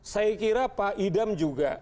saya kira pak idam juga